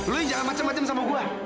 lu yang jangan macem macem sama gue